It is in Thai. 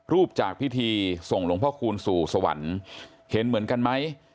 รูปจากพิธีส่งหลวงพ่อคูณสู่สวรรค์เห็นเหมือนกันไหม